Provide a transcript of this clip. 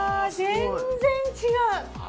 全然違う。